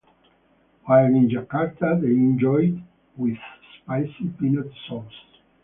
While in Jakarta, they enjoy it with spicy peanut sauce.